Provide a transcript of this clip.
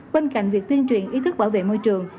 bên cạnh việc tuyên truyền ý thức bảo vệ môi trường